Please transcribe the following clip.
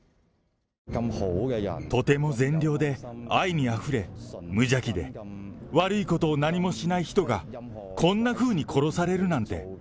とても善良で愛にあふれ、無邪気で悪いことを何もしない人が、こんなふうに殺されるなんて。